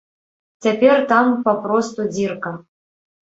Цяпер там папросту дзірка.